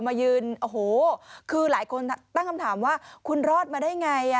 มายืนโอ้โหคือหลายคนตั้งคำถามว่าคุณรอดมาได้ไง